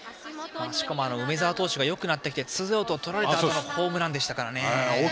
しかも梅澤投手がよくなってからツーアウトをとられたあとのホームランでしたから。